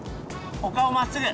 お顔まっすぐ！